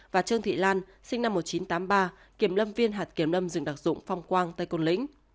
và trương thị lan sinh năm một nghìn chín trăm tám mươi ba kiểm lâm viên hạt kiểm lâm rừng đặc dụng phong quang tây côn lĩnh